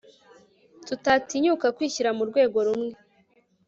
tutatinyuka kwishyira mu rwego rumwe